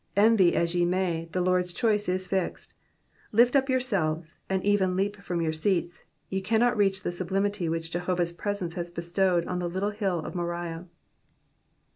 Envy as ye may, the Lord's choice is fixed. Lift up yourselves, and even leap from your seats, ye cannot reach the sublimity which Jehovah's presence has bestowed on the little hill of Moriah.